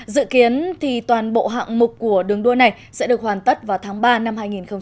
dự kiến toàn bộ hạng mục của đường đua này sẽ được hoàn tất vào tháng ba năm hai nghìn hai mươi